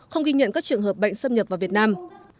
không ghi nhận các trường hợp bệnh xâm nhập vào việt nam